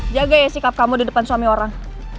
jaga ya sikap kamu di depan suami orang